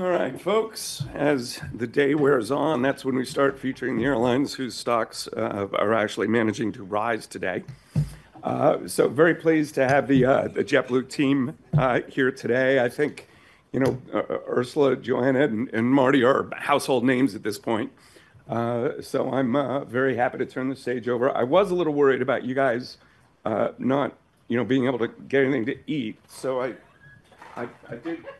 All right, folks, as the day wears on, that's when we start featuring the airlines whose stocks are actually managing to rise today. So very pleased to have the JetBlue team here today. I think, you know, Ursula, Joanna, and Marty are household names at this point. So I'm very happy to turn the stage over. I was a little worried about you guys not being able to get anything to eat. So I didn't realize I have Junior Mints.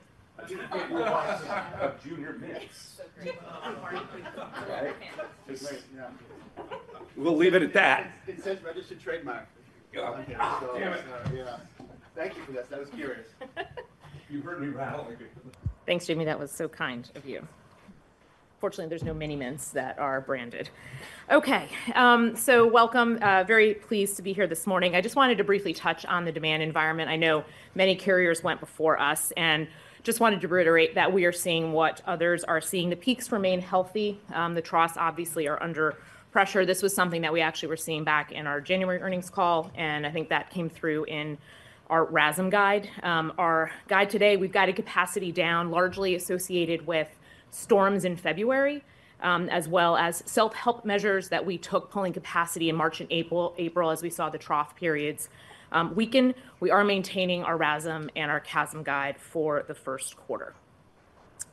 We'll leave it at that. It says registered trademark. Yeah. Thank you for this. That was curious. You heard me rattling. Thanks, Jamie. That was so kind of you. Fortunately, there's no Mini Mints that are branded. Okay, so welcome. Very pleased to be here this morning. I just wanted to briefly touch on the demand environment. I know many carriers went before us and just wanted to reiterate that we are seeing what others are seeing. The peaks remain healthy. The troughs obviously are under pressure. This was something that we actually were seeing back in our January earnings call. I think that came through in our RASM guide. Our guide today, we've got a capacity down largely associated with storms in February, as well as self-help measures that we took pulling capacity in March and April as we saw the trough periods. We are maintaining our RASM and our CASM guide for the first quarter.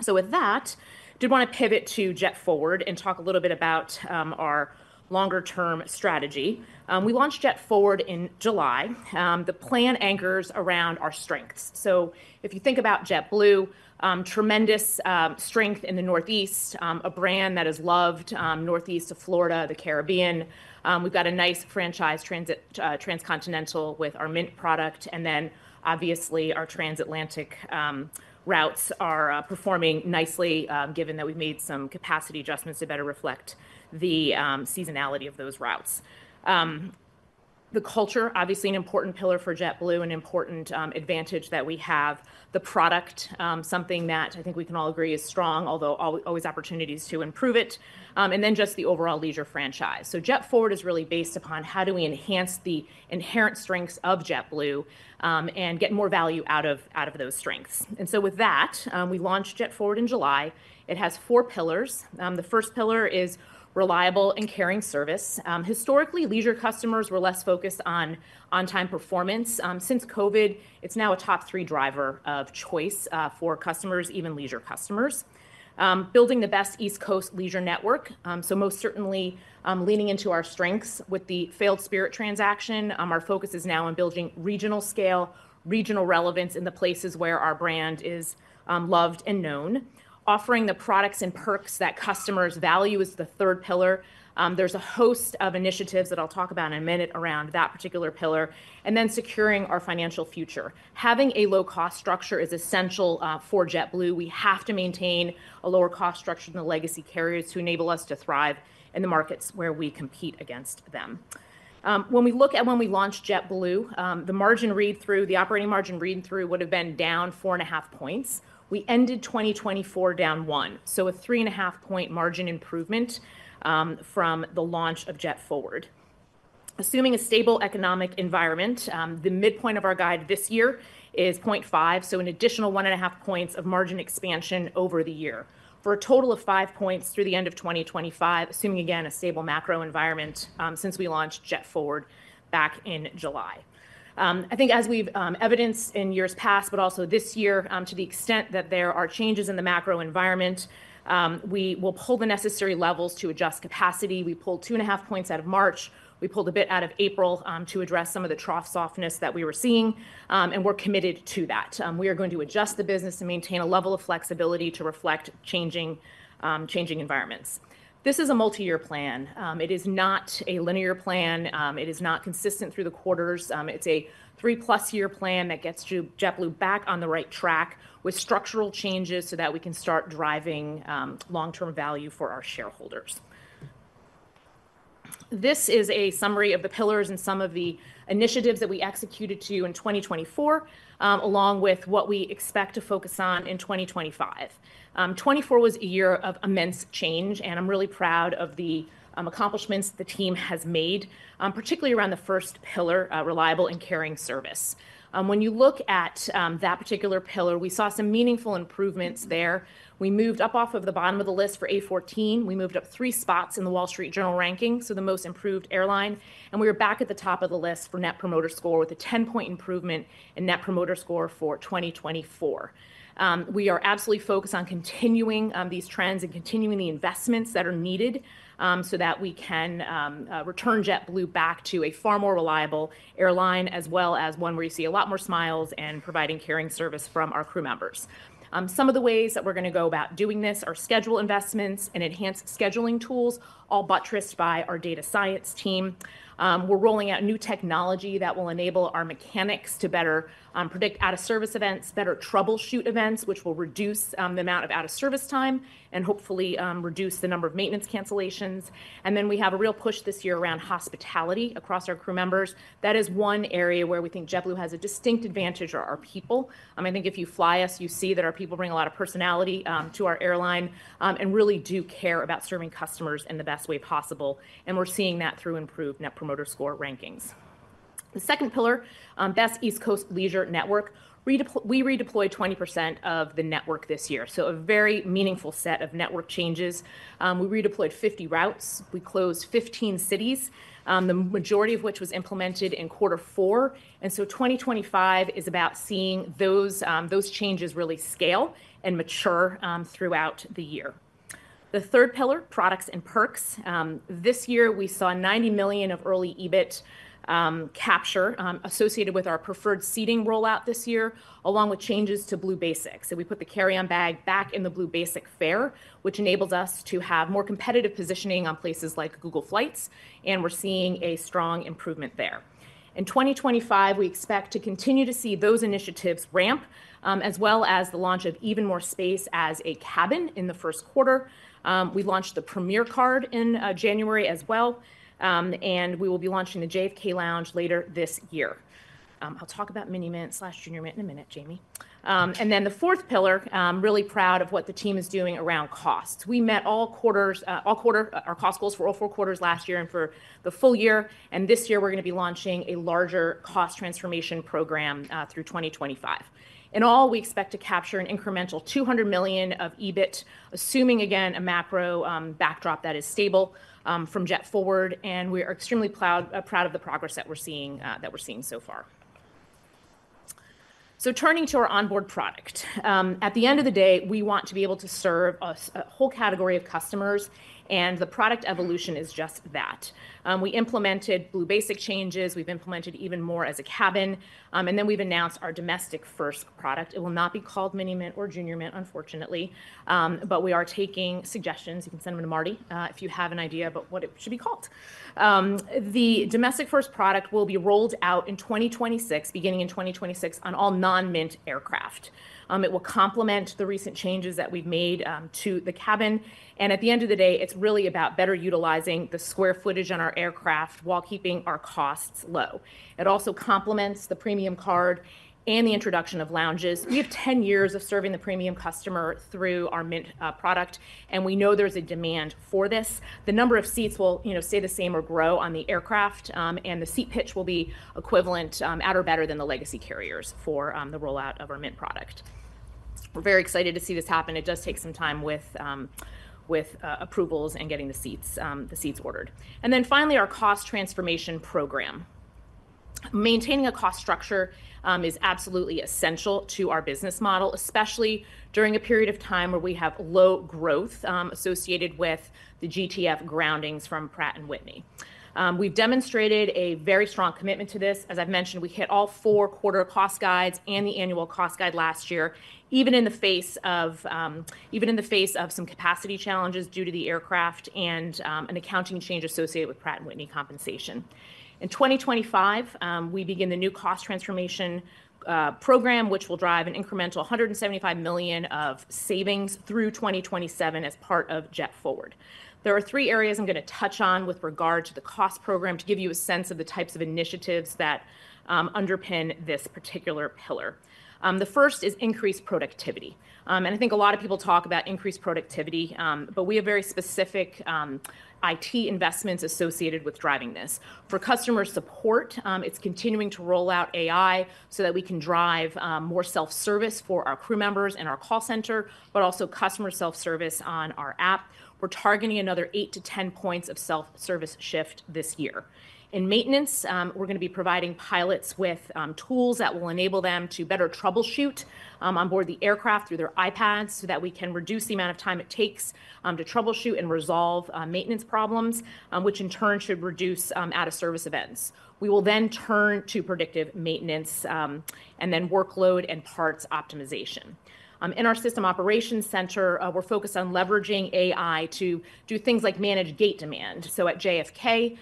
With that, I did want to pivot to JetForward and talk a little bit about our longer-term strategy. We launched JetForward in July. The plan anchors around our strengths. If you think about JetBlue, tremendous strength in the Northeast, a brand that is loved northeast of Florida, the Caribbean. We've got a nice franchise transcontinental with our Mint product. Obviously, our transatlantic routes are performing nicely, given that we've made some capacity adjustments to better reflect the seasonality of those routes. The culture, obviously an important pillar for JetBlue, an important advantage that we have. The product, something that I think we can all agree is strong, although always opportunities to improve it. Just the overall leisure franchise. JetForward is really based upon how do we enhance the inherent strengths of JetBlue and get more value out of those strengths. With that, we launched JetForward in July. It has four pillars. The first pillar is reliable and caring service. Historically, leisure customers were less focused on on-time performance. Since COVID, it is now a top three driver of choice for customers, even leisure customers. Building the best East Coast leisure network. Most certainly leaning into our strengths with the failed Spirit transaction. Our focus is now on building regional scale, regional relevance in the places where our brand is loved and known. Offering the products and perks that customers value is the third pillar. There is a host of initiatives that I will talk about in a minute around that particular pillar. Securing our financial future. Having a low-cost structure is essential for JetBlue. We have to maintain a lower-cost structure than the legacy carriers to enable us to thrive in the markets where we compete against them. When we look at when we launched JetBlue, the margin read-through, the operating margin read-through would have been down four and a half points. We ended 2024 down one. So a three and a half point margin improvement from the launch of JetForward. Assuming a stable economic environment, the midpoint of our guide this year is 0.5. So an additional one and a half points of margin expansion over the year for a total of five points through the end of 2025, assuming again a stable macro environment since we launched JetForward back in July. I think as we've evidenced in years past, but also this year, to the extent that there are changes in the macro environment, we will pull the necessary levers to adjust capacity. We pulled two and a half points out of March. We pulled a bit out of April to address some of the trough softness that we were seeing. We are committed to that. We are going to adjust the business and maintain a level of flexibility to reflect changing environments. This is a multi-year plan. It is not a linear plan. It is not consistent through the quarters. It's a three-plus year plan that gets JetBlue back on the right track with structural changes so that we can start driving long-term value for our shareholders. This is a summary of the pillars and some of the initiatives that we executed in 2024, along with what we expect to focus on in 2025. 2024 was a year of immense change, and I'm really proud of the accomplishments the team has made, particularly around the first pillar, reliable and caring service. When you look at that particular pillar, we saw some meaningful improvements there. We moved up off of the bottom of the list for A14. We moved up three spots in the Wall Street Journal ranking, the most improved airline. We were back at the top of the list for Net Promoter Score with a 10-point improvement in Net Promoter Score for 2024. We are absolutely focused on continuing these trends and continuing the investments that are needed so that we can return JetBlue back to a far more reliable airline, as well as one where you see a lot more smiles and providing caring service from our crew members. Some of the ways that we're going to go about doing this are schedule investments and enhanced scheduling tools, all buttressed by our data science team. We're rolling out new technology that will enable our mechanics to better predict out-of-service events, better troubleshoot events, which will reduce the amount of out-of-service time and hopefully reduce the number of maintenance cancellations. We have a real push this year around hospitality across our crew members. That is one area where we think JetBlue has a distinct advantage for our people. I think if you fly us, you see that our people bring a lot of personality to our airline and really do care about serving customers in the best way possible. We are seeing that through improved Net Promoter Score rankings. The second pillar, best East Coast leisure network. We redeployed 20% of the network this year. A very meaningful set of network changes. We redeployed 50 routes. We closed 15 cities, the majority of which was implemented in quarter four. 2025 is about seeing those changes really scale and mature throughout the year. The third pillar, products and perks. This year we saw $90 million of early EBIT capture associated with our preferred seating rollout this year, along with changes to Blue Basic. We put the carry-on bag back in the Blue Basic fare, which enables us to have more competitive positioning on places like Google Flights. We are seeing a strong improvement there. In 2025, we expect to continue to see those initiatives ramp, as well as the launch of Even More Space as a cabin in the first quarter. We launched the Premier Card in January as well. We will be launching the JFK Lounge later this year. I will talk about Mini Mints/Junior Mint in a minute, Jamie. The fourth pillar, really proud of what the team is doing around costs. We met all quarters, our cost goals for all four quarters last year and for the full year. This year we are going to be launching a larger cost transformation program through 2025. In all, we expect to capture an incremental $200 million of EBIT, assuming again a macro backdrop that is stable from JetForward. We are extremely proud of the progress that we're seeing so far. Turning to our onboard product. At the end of the day, we want to be able to serve a whole category of customers. The product evolution is just that. We implemented Blue Basic changes. We've implemented Even More Space as a cabin. We have announced our domestic first product. It will not be called Mini Mint or Junior Mint, unfortunately. We are taking suggestions. You can send them to Marty if you have an idea about what it should be called. The domestic first product will be rolled out in 2026, beginning in 2026 on all non-Mint aircraft. It will complement the recent changes that we've made to the cabin. At the end of the day, it's really about better utilizing the square footage on our aircraft while keeping our costs low. It also complements the premium card and the introduction of lounges. We have 10 years of serving the premium customer through our Mint product. We know there's a demand for this. The number of seats will stay the same or grow on the aircraft. The seat pitch will be equivalent, at or better than the legacy carriers for the rollout of our Mint product. We're very excited to see this happen. It does take some time with approvals and getting the seats ordered. Finally, our cost transformation program. Maintaining a cost structure is absolutely essential to our business model, especially during a period of time where we have low growth associated with the GTF groundings from Pratt & Whitney. We've demonstrated a very strong commitment to this. As I've mentioned, we hit all four quarter cost guides and the annual cost guide last year, even in the face of some capacity challenges due to the aircraft and an accounting change associated with Pratt & Whitney compensation. In 2025, we begin the new cost transformation program, which will drive an incremental $175 million of savings through 2027 as part of JetForward. There are three areas I'm going to touch on with regard to the cost program to give you a sense of the types of initiatives that underpin this particular pillar. The first is increased productivity. I think a lot of people talk about increased productivity, but we have very specific IT investments associated with driving this. For customer support, it's continuing to roll out AI so that we can drive more self-service for our crew members and our call center, but also customer self-service on our app. We're targeting another 8-10 points of self-service shift this year. In maintenance, we're going to be providing pilots with tools that will enable them to better troubleshoot on board the aircraft through their iPads so that we can reduce the amount of time it takes to troubleshoot and resolve maintenance problems, which in turn should reduce out-of-service events. We will then turn to predictive maintenance and then workload and parts optimization. In our system operations center, we're focused on leveraging AI to do things like manage gate demand. At JFK,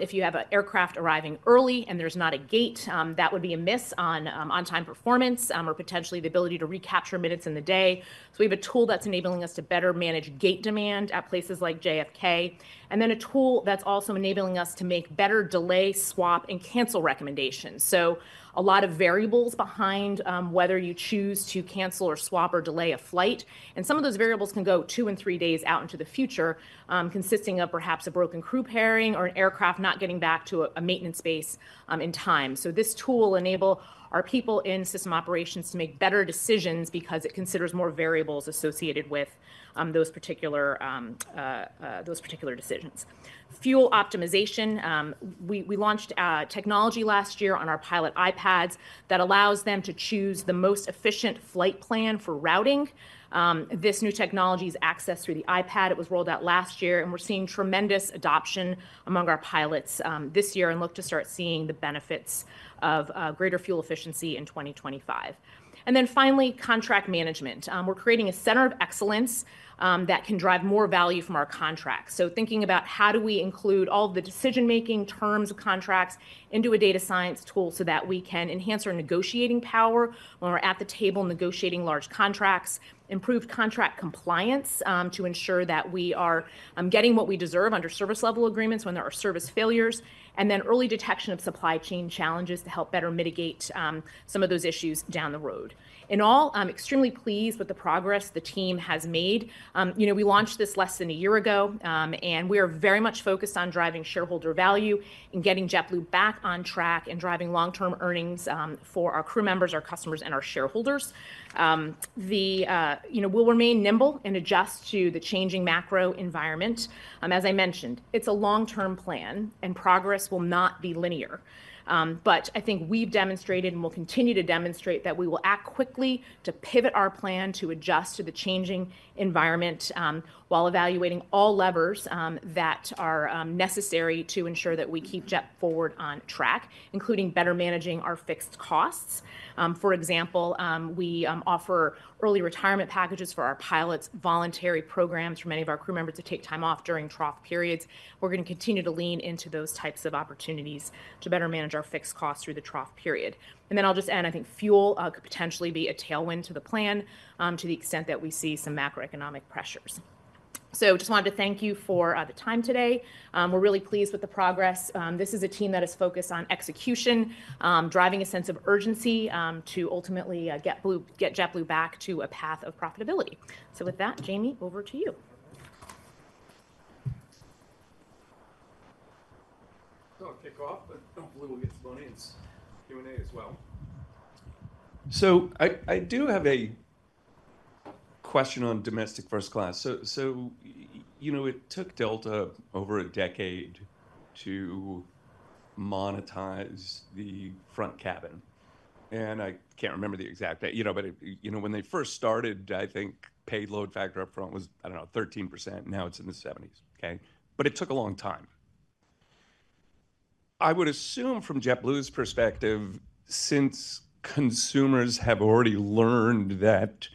if you have an aircraft arriving early and there's not a gate, that would be a miss on on-time performance or potentially the ability to recapture minutes in the day. We have a tool that's enabling us to better manage gate demand at places like JFK. A tool that's also enabling us to make better delay, swap, and cancel recommendations. A lot of variables behind whether you choose to cancel or swap or delay a flight. Some of those variables can go two and three days out into the future, consisting of perhaps a broken crew pairing or an aircraft not getting back to a maintenance base in time. This tool enables our people in system operations to make better decisions because it considers more variables associated with those particular decisions. Fuel optimization. We launched technology last year on our pilot iPads that allows them to choose the most efficient flight plan for routing. This new technology is accessed through the iPad. It was rolled out last year. We are seeing tremendous adoption among our pilots this year and look to start seeing the benefits of greater fuel efficiency in 2025. Finally, contract management. We are creating a center of excellence that can drive more value from our contracts. Thinking about how do we include all the decision-making terms of contracts into a data science tool so that we can enhance our negotiating power when we're at the table negotiating large contracts, improve contract compliance to ensure that we are getting what we deserve under service level agreements when there are service failures, and then early detection of supply chain challenges to help better mitigate some of those issues down the road. In all, I'm extremely pleased with the progress the team has made. We launched this less than a year ago. We are very much focused on driving shareholder value and getting JetBlue back on track and driving long-term earnings for our crew members, our customers, and our shareholders. We'll remain nimble and adjust to the changing macro environment. As I mentioned, it's a long-term plan and progress will not be linear. I think we've demonstrated and will continue to demonstrate that we will act quickly to pivot our plan to adjust to the changing environment while evaluating all levers that are necessary to ensure that we keep JetForward on track, including better managing our fixed costs. For example, we offer early retirement packages for our pilots, voluntary programs for many of our crew members to take time off during trough periods. We're going to continue to lean into those types of opportunities to better manage our fixed costs through the trough period. I'll just add, I think fuel could potentially be a tailwind to the plan to the extent that we see some macroeconomic pressures. I just wanted to thank you for the time today. We're really pleased with the progress. This is a team that is focused on execution, driving a sense of urgency to ultimately get JetBlue back to a path of profitability. Jamie, over to you. I'll kick off, but don't believe we'll get to the audience Q&A as well. I do have a question on domestic first class. It took Delta over a decade to monetize the front cabin. I can't remember the exact date, but when they first started, I think payload factor upfront was, I don't know, 13%. Now it's in the 70s. It took a long time. I would assume from JetBlue's perspective, since consumers have already learned that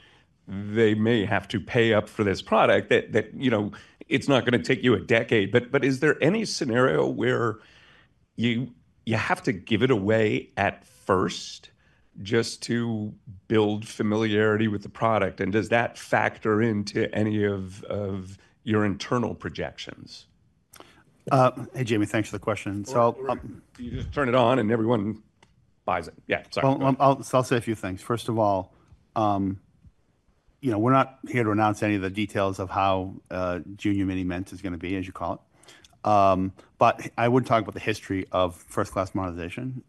they may have to pay up for this product, that it's not going to take you a decade. Is there any scenario where you have to give it away at first just to build familiarity with the product? Does that factor into any of your internal projections? Hey, Jamie, thanks for the question. I'll. You just turn it on and everyone buys it. Yeah. I'll say a few things. First of all, we're not here to announce any of the details of how Junior Mini Mint is going to be, as you call it. I would talk about the history of first-class monetization.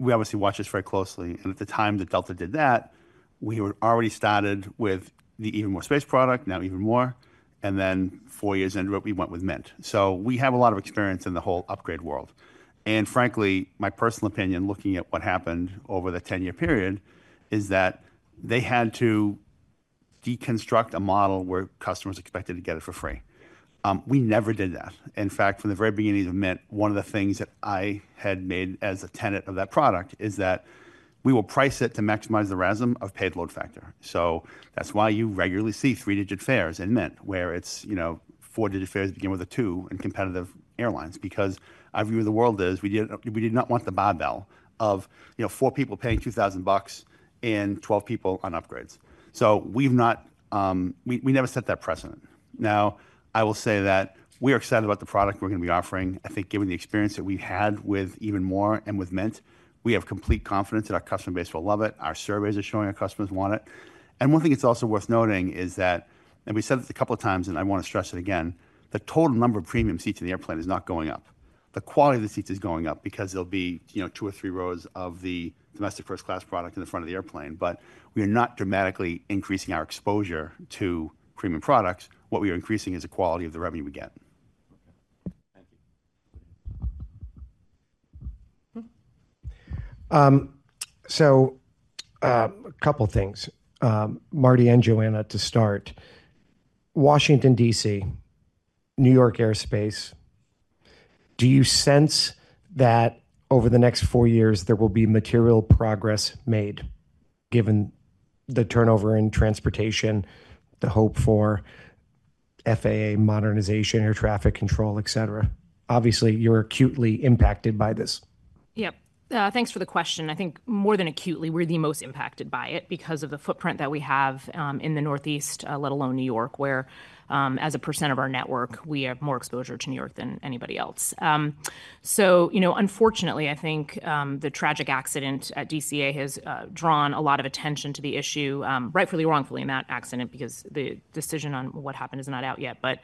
We obviously watched this very closely. At the time that Delta did that, we were already started with the Even More Space product, now Even More. Four years into it, we went with Mint. We have a lot of experience in the whole upgrade world. Frankly, my personal opinion, looking at what happened over the 10-year period, is that they had to deconstruct a model where customers expected to get it for free. We never did that. In fact, from the very beginning of Mint, one of the things that I had made as a tenet of that product is that we will price it to maximize the RASM of payload factor. That's why you regularly see three-digit fares in Mint, where it's four-digit fares begin with a two in competitive airlines. Because I view the world as we did not want the bubble of four people paying $2,000 and 12 people on upgrades. We never set that precedent. I will say that we are excited about the product we're going to be offering. I think given the experience that we've had with Even More and with Mint, we have complete confidence that our customer base will love it. Our surveys are showing our customers want it. One thing that's also worth noting is that, and we said it a couple of times, I want to stress it again, the total number of premium seats in the airplane is not going up. The quality of the seats is going up because there'll be two or three rows of the domestic first-class product in the front of the airplane. We are not dramatically increasing our exposure to premium products. What we are increasing is the quality of the revenue we get. Thank you. A couple of things. Marty and Joanna, to start, Washington, D.C., New York airspace, do you sense that over the next four years there will be material progress made given the turnover in transportation, the hope for FAA modernization, air traffic control, etc.? Obviously, you're acutely impacted by this. Yep. Thanks for the question. I think more than acutely, we're the most impacted by it because of the footprint that we have in the Northeast, let alone New York, where as a percent of our network, we have more exposure to New York than anybody else. Unfortunately, I think the tragic accident at DCA has drawn a lot of attention to the issue, rightfully or wrongfully, in that accident because the decision on what happened is not out yet, but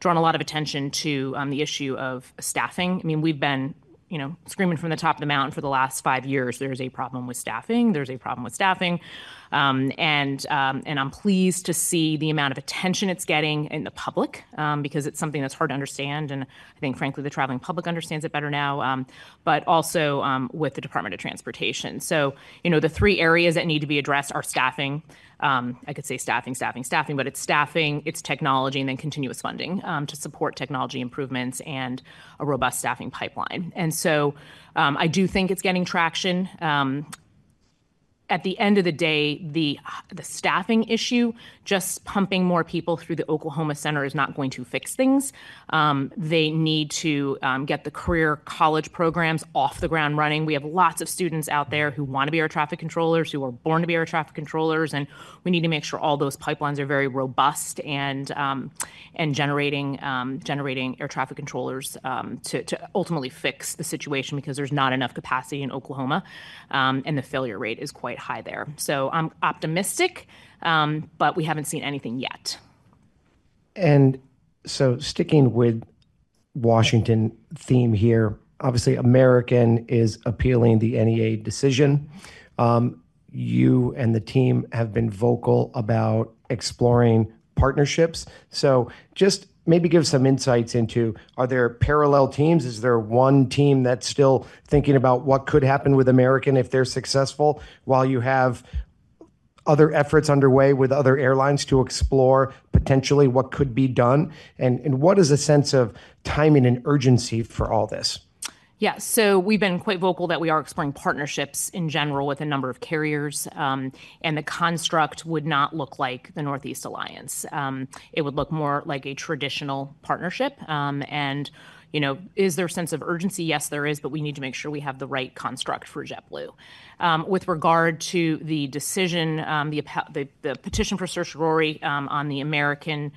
drawn a lot of attention to the issue of staffing. I mean, we've been screaming from the top of the mountain for the last five years. There is a problem with staffing. There's a problem with staffing. I'm pleased to see the amount of attention it's getting in the public because it's something that's hard to understand. Frankly, the traveling public understands it better now, but also with the Department of Transportation. The three areas that need to be addressed are staffing. I could say staffing, staffing, staffing, but it is staffing, it is technology, and then continuous funding to support technology improvements and a robust staffing pipeline. I do think it is getting traction. At the end of the day, the staffing issue, just pumping more people through the Oklahoma Center is not going to fix things. They need to get the career college programs off the ground running. We have lots of students out there who want to be air traffic controllers, who were born to be air traffic controllers. We need to make sure all those pipelines are very robust and generating air traffic controllers to ultimately fix the situation because there is not enough capacity in Oklahoma. The failure rate is quite high there. I'm optimistic, but we haven't seen anything yet. Sticking with the Washington theme here, obviously, American is appealing the NEA decision. You and the team have been vocal about exploring partnerships. Just maybe give some insights into are there parallel teams? Is there one team that's still thinking about what could happen with American if they're successful while you have other efforts underway with other airlines to explore potentially what could be done? What is the sense of timing and urgency for all this? Yeah. We have been quite vocal that we are exploring partnerships in general with a number of carriers. The construct would not look like the Northeast Alliance. It would look more like a traditional partnership. Is there a sense of urgency? Yes, there is, but we need to make sure we have the right construct for JetBlue. With regard to the decision, the petition for certiorari on the American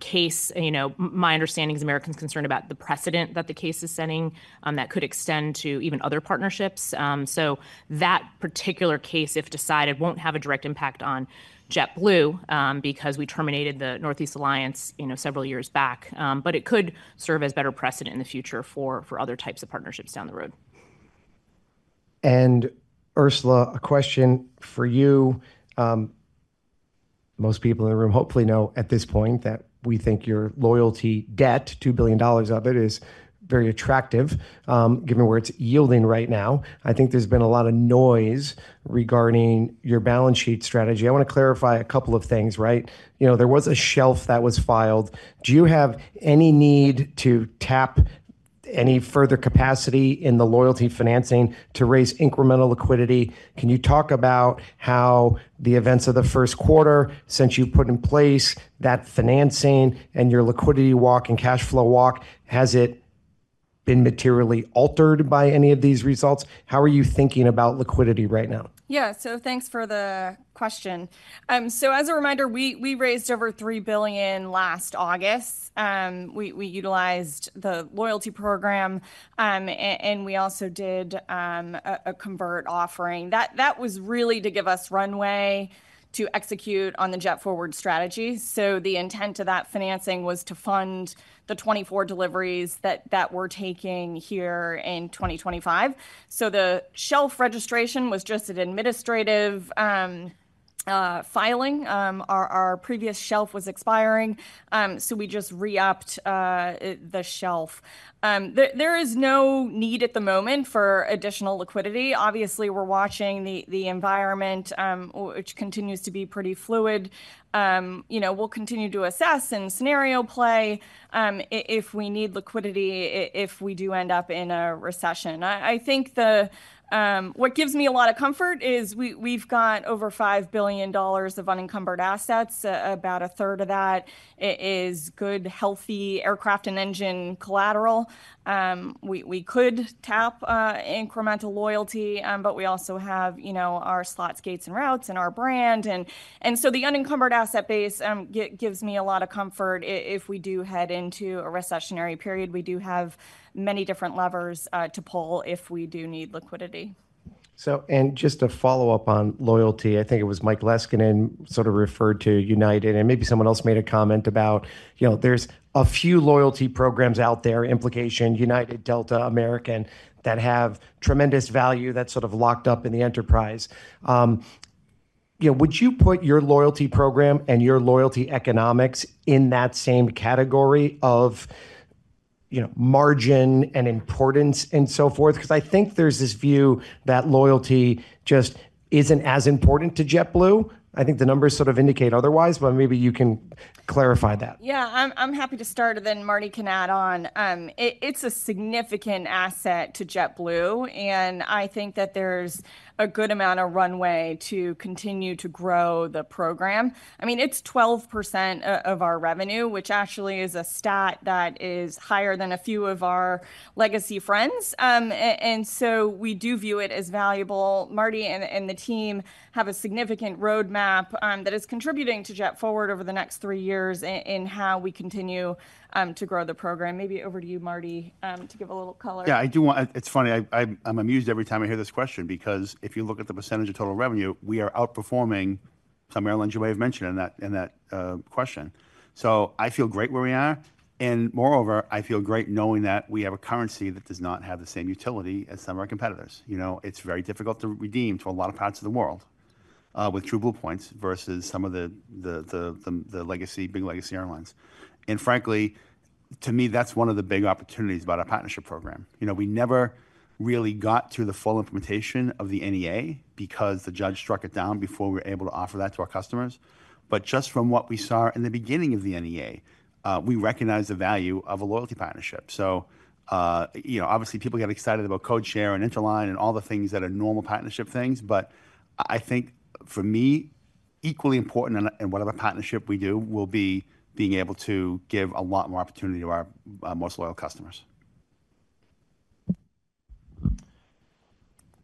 case, my understanding is American is concerned about the precedent that the case is setting that could extend to even other partnerships. That particular case, if decided, will not have a direct impact on JetBlue because we terminated the Northeast Alliance several years back. It could serve as better precedent in the future for other types of partnerships down the road. Ursula, a question for you. Most people in the room hopefully know at this point that we think your loyalty debt, $2 billion of it, is very attractive given where it's yielding right now. I think there's been a lot of noise regarding your balance sheet strategy. I want to clarify a couple of things, right? There was a shelf that was filed. Do you have any need to tap any further capacity in the loyalty financing to raise incremental liquidity? Can you talk about how the events of the first quarter since you've put in place that financing and your liquidity walk and cash flow walk, has it been materially altered by any of these results? How are you thinking about liquidity right now? Yeah. Thanks for the question. As a reminder, we raised over $3 billion last August. We utilized the loyalty program, and we also did a convert offering. That was really to give us runway to execute on the JetForward strategy. The intent of that financing was to fund the 24 deliveries that we're taking here in 2025. The shelf registration was just an administrative filing. Our previous shelf was expiring, so we just re-upped the shelf. There is no need at the moment for additional liquidity. Obviously, we're watching the environment, which continues to be pretty fluid. We'll continue to assess and scenario play if we need liquidity if we do end up in a recession. I think what gives me a lot of comfort is we've got over $5 billion of unencumbered assets. About a third of that is good, healthy aircraft and engine collateral. We could tap incremental loyalty, but we also have our slots, gates, and routes and our brand. The unencumbered asset base gives me a lot of comfort if we do head into a recessionary period. We do have many different levers to pull if we do need liquidity. Just to follow up on loyalty, I think it was Mike Leskinen sort of referred to United, and maybe someone else made a comment about there's a few loyalty programs out there, implication, United, Delta, American, that have tremendous value that's sort of locked up in the enterprise. Would you put your loyalty program and your loyalty economics in that same category of margin and importance and so forth? Because I think there's this view that loyalty just isn't as important to JetBlue. I think the numbers sort of indicate otherwise, but maybe you can clarify that. Yeah. I'm happy to start, and then Marty can add on. It's a significant asset to JetBlue. I think that there's a good amount of runway to continue to grow the program. I mean, it's 12% of our revenue, which actually is a stat that is higher than a few of our legacy friends. We do view it as valuable. Marty and the team have a significant roadmap that is contributing to JetForward over the next three years in how we continue to grow the program. Maybe over to you, Marty, to give a little color. Yeah. It's funny. I'm amused every time I hear this question because if you look at the percentage of total revenue, we are outperforming some airlines you may have mentioned in that question. I feel great where we are. Moreover, I feel great knowing that we have a currency that does not have the same utility as some of our competitors. It's very difficult to redeem to a lot of parts of the world with TrueBlue points versus some of the big legacy airlines. Frankly, to me, that's one of the big opportunities about our partnership program. We never really got to the full implementation of the NEA because the judge struck it down before we were able to offer that to our customers. Just from what we saw in the beginning of the NEA, we recognized the value of a loyalty partnership. Obviously, people get excited about Codeshare and Interline and all the things that are normal partnership things. I think for me, equally important in whatever partnership we do will be being able to give a lot more opportunity to our most loyal customers.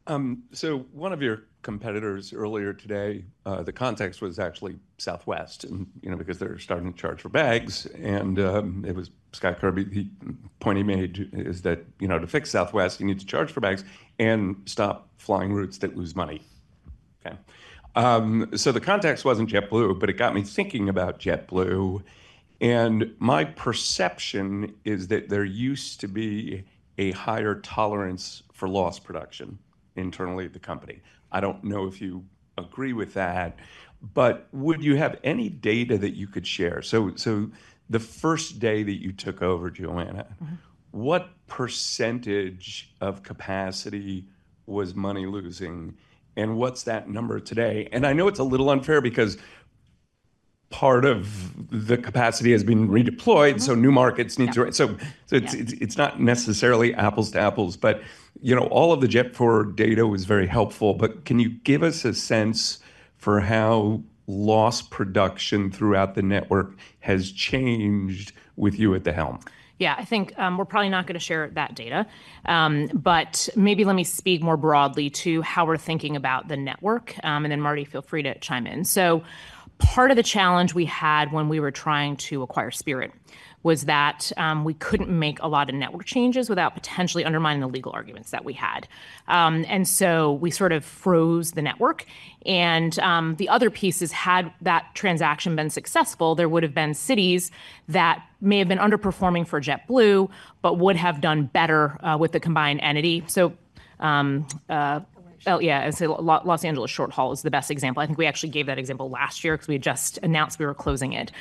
One of your competitors earlier today, the context was actually Southwest because they're starting to charge for bags. It was Scott Kirby. The point he made is that to fix Southwest, you need to charge for bags and stop flying routes that lose money. The context wasn't JetBlue, but it got me thinking about JetBlue. My perception is that there used to be a higher tolerance for loss production internally at the company. I don't know if you agree with that, but would you have any data that you could share? The first day that you took over, Joanna, what percentage of capacity was money losing? What's that number today? I know it's a little unfair because part of the capacity has been redeployed, so new markets need to. It's not necessarily apples to apples. All of the JetForward data was very helpful. Can you give us a sense for how loss production throughout the network has changed with you at the helm? Yeah. I think we're probably not going to share that data. Maybe let me speak more broadly to how we're thinking about the network. Marty, feel free to chime in. Part of the challenge we had when we were trying to acquire Spirit was that we couldn't make a lot of network changes without potentially undermining the legal arguments that we had. We sort of froze the network. The other piece is had that transaction been successful, there would have been cities that may have been underperforming for JetBlue but would have done better with the combined entity. I'd say Los Angeles Short Haul is the best example. I think we actually gave that example last year because we had just announced we were closing it.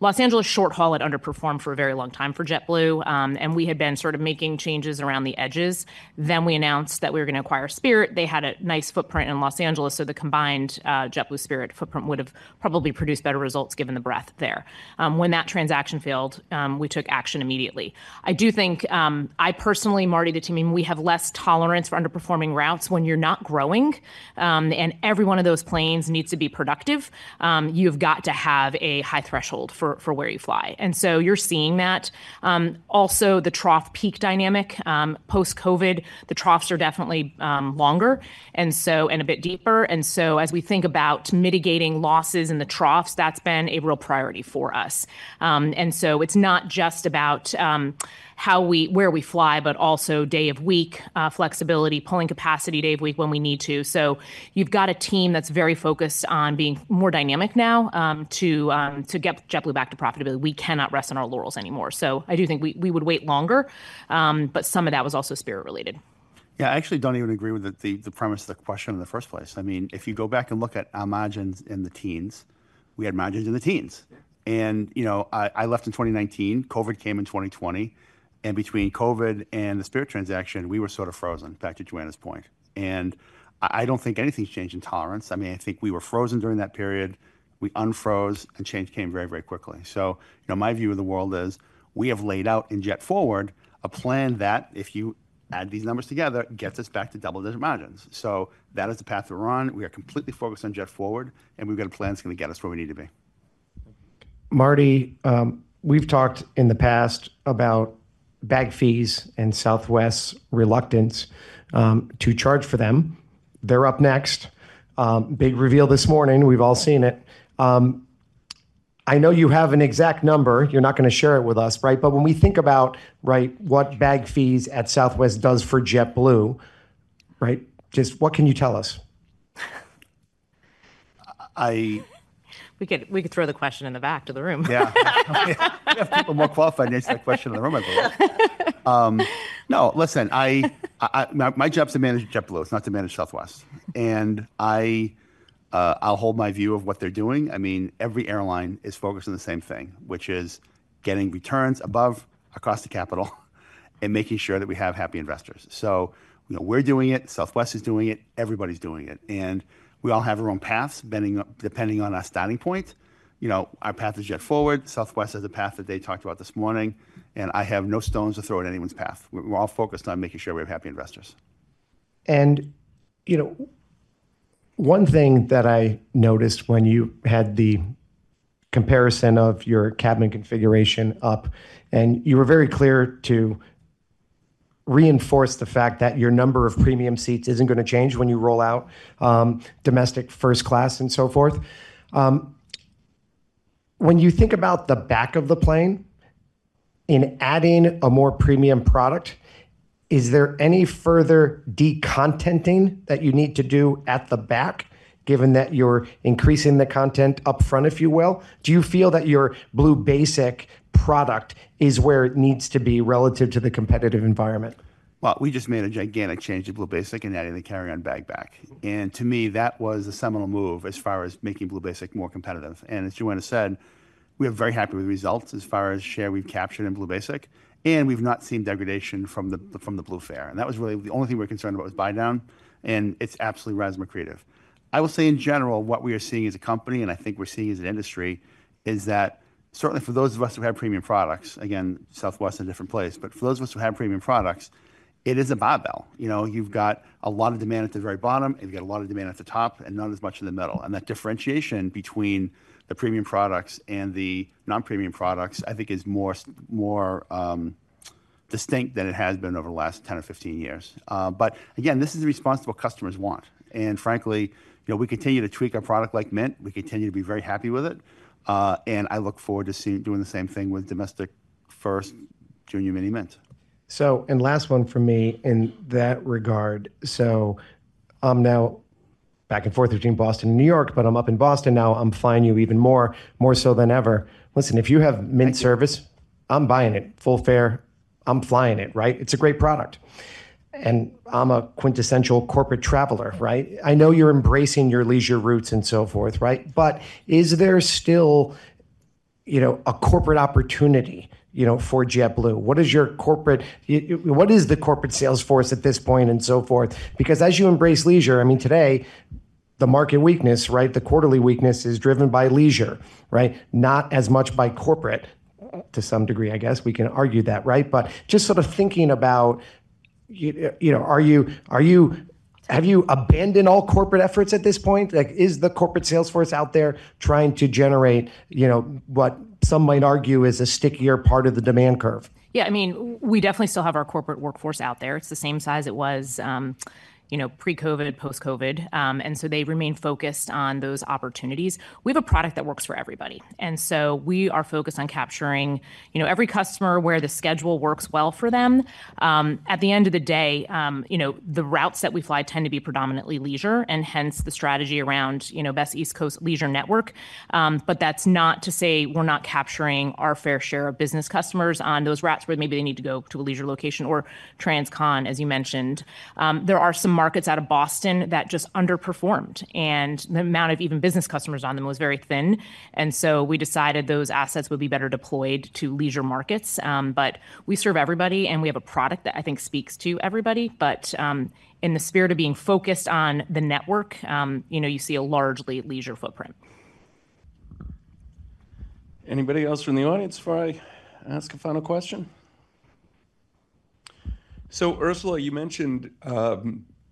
Los Angeles Short Haul had underperformed for a very long time for JetBlue. We had been sort of making changes around the edges. We announced that we were going to acquire Spirit. They had a nice footprint in Los Angeles. The combined JetBlue Spirit footprint would have probably produced better results given the breadth there. When that transaction failed, we took action immediately. I do think I personally, Marty, the team, we have less tolerance for underperforming routes when you're not growing. Every one of those planes needs to be productive. You've got to have a high threshold for where you fly. You are seeing that. Also, the trough peak dynamic post-COVID, the troughs are definitely longer and a bit deeper. As we think about mitigating losses in the troughs, that's been a real priority for us. It is not just about where we fly, but also day of week flexibility, pulling capacity day of week when we need to. You have a team that is very focused on being more dynamic now to get JetBlue back to profitability. We cannot rest on our laurels anymore. I do think we would wait longer. Some of that was also Spirit related. Yeah. I actually don't even agree with the premise of the question in the first place. I mean, if you go back and look at our margins in the teens, we had margins in the teens. I left in 2019. COVID came in 2020. Between COVID and the Spirit transaction, we were sort of frozen back to Joanna's point. I don't think anything's changed in tolerance. I mean, I think we were frozen during that period. We unfroze, and change came very, very quickly. My view of the world is we have laid out in JetForward a plan that if you add these numbers together, gets us back to double-digit margins. That is the path we're on. We are completely focused on JetForward, and we've got a plan that's going to get us where we need to be. Marty, we've talked in the past about bag fees and Southwest's reluctance to charge for them. They're up next. Big reveal this morning. We've all seen it. I know you have an exact number. You're not going to share it with us, right? When we think about what bag fees at Southwest do for JetBlue, just what can you tell us? We could throw the question in the back of the room. Yeah. We have people more qualified to answer that question in the room, I believe. No, listen, my job's to manage JetBlue. It's not to manage Southwest. I'll hold my view of what they're doing. I mean, every airline is focused on the same thing, which is getting returns above, across the capital, and making sure that we have happy investors. We're doing it. Southwest is doing it. Everybody's doing it. We all have our own paths depending on our starting point. Our path is JetForward. Southwest has a path that they talked about this morning. I have no stones to throw at anyone's path. We're all focused on making sure we have happy investors. One thing that I noticed when you had the comparison of your cabin configuration up, and you were very clear to reinforce the fact that your number of premium seats isn't going to change when you roll out domestic first class and so forth. When you think about the back of the plane in adding a more premium product, is there any further decontenting that you need to do at the back, given that you're increasing the content upfront, if you will? Do you feel that your Blue Basic product is where it needs to be relative to the competitive environment? We just made a gigantic change to Blue Basic in adding the carry-on bag back. To me, that was a seminal move as far as making Blue Basic more competitive. As Joanna said, we are very happy with the results as far as share we have captured in Blue Basic. We have not seen degradation from the Blue fare. That was really the only thing we were concerned about, was buy down. It is absolutely RASM-accretive. I will say in general, what we are seeing as a company, and I think we are seeing as an industry, is that certainly for those of us who have premium products, again, Southwest is a different place. For those of us who have premium products, it is a barbell. You have got a lot of demand at the very bottom. You've got a lot of demand at the top and not as much in the middle. That differentiation between the premium products and the non-premium products, I think, is more distinct than it has been over the last 10 or 15 years. This is the response that what customers want. Frankly, we continue to tweak our product like Mint. We continue to be very happy with it. I look forward to doing the same thing with domestic first Junior Mini Mint. Last one for me in that regard. I'm now back and forth between Boston and New York, but I'm up in Boston now. I'm flying you even more, more so than ever. Listen, if you have Mint service, I'm buying it. Full fare. I'm flying it, right? It's a great product. I'm a quintessential corporate traveler, right? I know you're embracing your leisure routes and so forth, right? Is there still a corporate opportunity for JetBlue? What is the corporate sales force at this point and so forth? As you embrace leisure, I mean, today, the market weakness, the quarterly weakness is driven by leisure, right? Not as much by corporate to some degree, I guess. We can argue that, right? Just sort of thinking about, have you abandoned all corporate efforts at this point? Is the corporate sales force out there trying to generate what some might argue is a stickier part of the demand curve? Yeah. I mean, we definitely still have our corporate workforce out there. It's the same size it was pre-COVID, post-COVID. They remain focused on those opportunities. We have a product that works for everybody. We are focused on capturing every customer where the schedule works well for them. At the end of the day, the routes that we fly tend to be predominantly leisure, and hence the strategy around Best East Coast Leisure Network. That's not to say we're not capturing our fair share of business customers on those routes where maybe they need to go to a leisure location or TransCon, as you mentioned. There are some markets out of Boston that just underperformed. The amount of even business customers on them was very thin. We decided those assets would be better deployed to leisure markets. We serve everybody, and we have a product that I think speaks to everybody. In the spirit of being focused on the network, you see a largely leisure footprint. Anybody else from the audience before I ask a final question? Ursula, you mentioned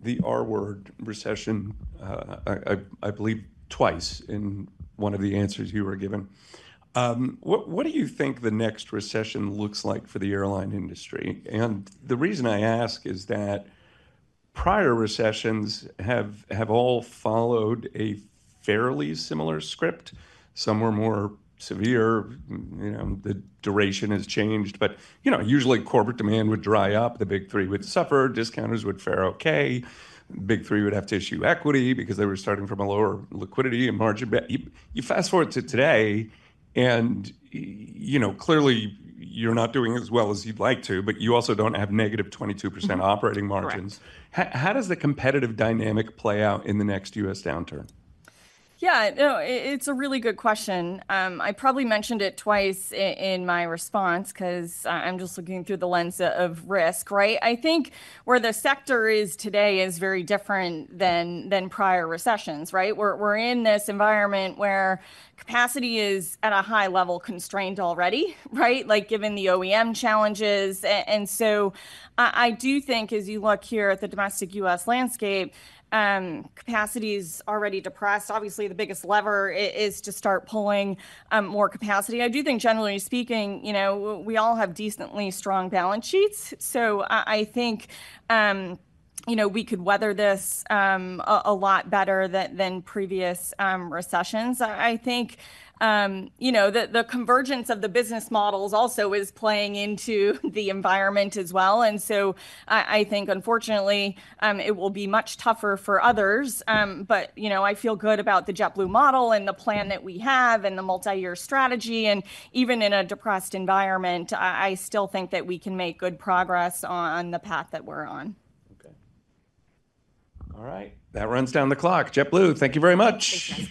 the R-word recession, I believe, twice in one of the answers you were given. What do you think the next recession looks like for the airline industry? The reason I ask is that prior recessions have all followed a fairly similar script. Some were more severe. The duration has changed. Usually, corporate demand would dry up. The Big Three would suffer. Discounters would fare okay. The Big Three would have to issue equity because they were starting from a lower liquidity and margin bet. You fast forward to today, and clearly, you're not doing as well as you'd like to, but you also don't have -22% operating margins. How does the competitive dynamic play out in the next U.S. downturn? Yeah. No, it's a really good question. I probably mentioned it twice in my response because I'm just looking through the lens of risk, right? I think where the sector is today is very different than prior recessions, right? We're in this environment where capacity is at a high level constrained already, right? Like given the OEM challenges. I do think as you look here at the domestic U.S. landscape, capacity is already depressed. Obviously, the biggest lever is to start pulling more capacity. I do think, generally speaking, we all have decently strong balance sheets. I think we could weather this a lot better than previous recessions. I think the convergence of the business models also is playing into the environment as well. I think, unfortunately, it will be much tougher for others. I feel good about the JetBlue model and the plan that we have and the multi-year strategy. Even in a depressed environment, I still think that we can make good progress on the path that we're on. Okay. All right. That runs down the clock. JetBlue, thank you very much.